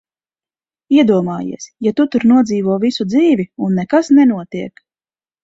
Iedomājies, ja tu tur nodzīvo visu dzīvi, un nekas nenotiek!